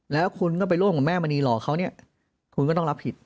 แล้วคุณก็ไปร่วมกับแม่มณีหลอกเขาเนี่ยคุณก็ต้องรับผิด